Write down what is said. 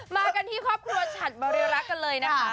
มากันที่ครอบครัวฉัดบริรักษ์กันเลยนะคะ